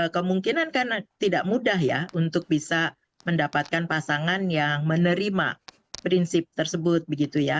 kemungkinan kan tidak mudah ya untuk bisa mendapatkan pasangan yang menerima prinsip tersebut begitu ya